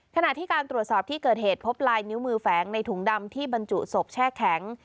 ขณะที่การตรวจสอบที่เกิดเหตุพบลายนิ้วมือแฝงในถุงดำที่บรรจุศพแช่แข็ง